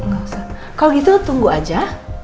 kalau gitu tunggu aja